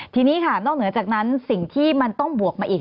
ทีนี้ค่ะนอกเหนือจากนั้นสิ่งที่มันต้องบวกมาอีก